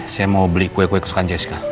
saya mau beli kue kue kesukaan jessica